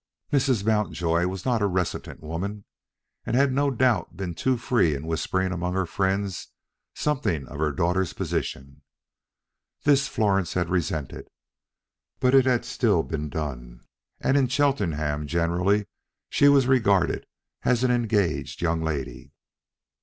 Mrs. Mountjoy was not a reticent woman, and had no doubt been too free in whispering among her friends something of her daughter's position. This Florence had resented; but it had still been done, and in Cheltenham generally she was regarded as an engaged young lady.